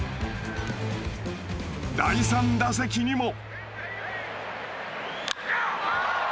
第３打席にも。